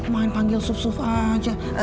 main panggil sup suf aja